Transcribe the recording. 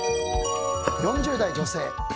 ４０代女性。